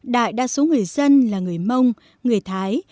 đại đa số người dân là người mông người thái